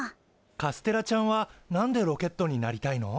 カステラちゃんは何でロケットになりたいの？